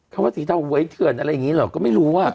เขาว่าสีเทาเว้ยเฉื่อนอะไรอย่างนี้หรอกก็ไม่รู้ว่า